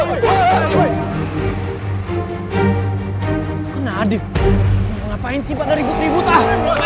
mana ada ngapain sih pada ribut ribut ah